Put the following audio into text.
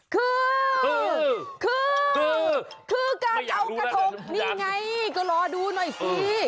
คือคือการเอากระทงนี่ไงก็รอดูหน่อยสิ